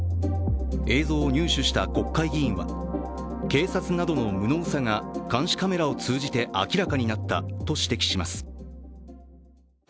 映像を入手した国会議員は警察などの無能さが監視カメラを通じて明らかになったと指摘します。